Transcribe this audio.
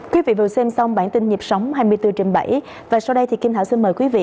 quý vị vừa xem xong bản tin nhịp sống hai mươi bốn trên bảy và sau đây thì kim thảo xin mời quý vị